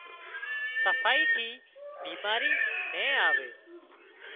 صفائي ٿي بيماري نين آووي